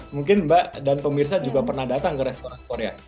mungkin mbak dan pemirsa juga pernah datang ke restoran korea